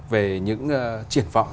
về những triển vọng